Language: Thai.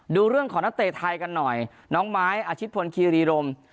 ดูเรื่องของนักเตะไทยกันหน่อยน้องไม้อาชิตพลคีรีรม